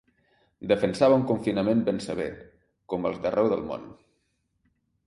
Defensava un confinament ben sever, com els d’arreu del món.